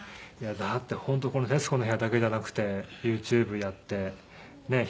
だって本当この『徹子の部屋』だけじゃなくてＹｏｕＴｕｂｅやってねえ